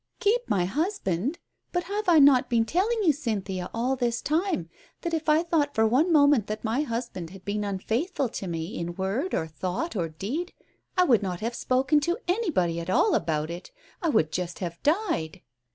"Keep my husband! But have I not been telling you, Cynthia, all this time, that if I thought for one moment that my husband had been unfaithful to me in word, or thought, or deed, I would not have spoken to anybody at all about it, I would just have died